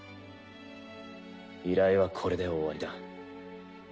依頼はこれで終わりだ。